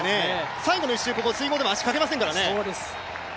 最後の１周、ここ水濠では足、かけませんからね。